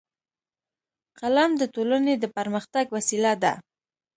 قلم د ټولنې د پرمختګ وسیله ده